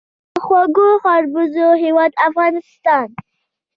د خوږو خربوزو هیواد افغانستان.